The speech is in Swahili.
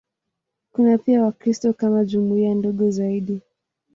Kuna pia Wakristo kama jumuiya ndogo zaidi.